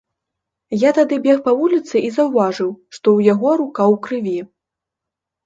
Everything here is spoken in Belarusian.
Я тады бег па вуліцы і заўважыў, што ў яго рука ў крыві.